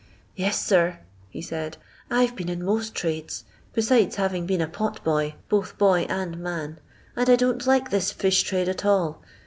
" Yes, sir," he said, *' I 've been in most trades, besides having been a pot boy, both boy and man, and I don't like this fish trade at all.